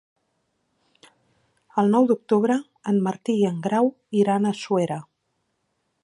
El nou d'octubre en Martí i en Grau iran a Suera.